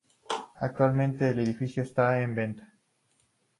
Actualmente el edificio está en venta.